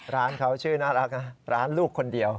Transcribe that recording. ร้านเขาชื่อน่ารักนะร้านลูกคนเดียว